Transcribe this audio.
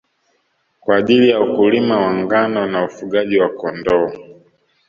Kwa ajili ya ukulima wa ngano na ufugaji wa Kondoo